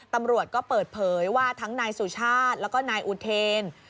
ตำรวจก็เปิดเผยว่าทั้งนายสุชาติแล้วก็นายอุเทน